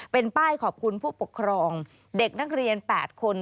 เป็นป้ายขอบคุณผู้ปกครองเด็กนักเรียน๘คน